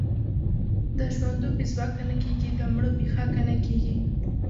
د ژوندو بې ځواکه نه کېږي، د مړو بې خاکه نه کېږي.